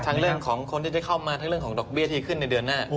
เรื่องของคนที่จะเข้ามาทั้งเรื่องของดอกเบี้ยที่ขึ้นในเดือนหน้า